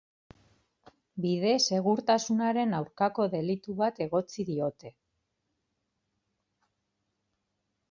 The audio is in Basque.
Bide segurtasunaren aurkako delitu bat egotzi diote.